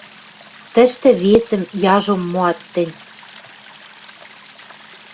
Тӹштӹ весӹм, яжом моат тӹнь